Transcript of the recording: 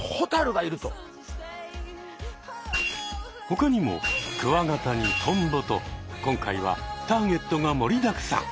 ほかにもクワガタにトンボと今回はターゲットが盛りだくさん！